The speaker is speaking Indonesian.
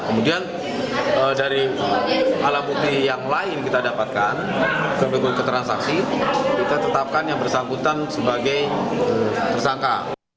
kemudian dari alat bukti yang lain kita dapatkan sebagai keterangan saksi kita tetapkan yang bersangkutan sebagai tersangka